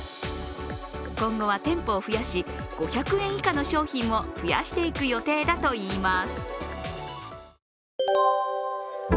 今後は店舗を増やし５００円以下の商品も増やしていく予定だといいます。